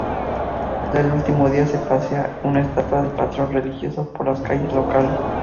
El último día se pasea una estatua del patrón religioso por las calles locales.